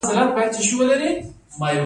ایا زه باید مرچ وخورم؟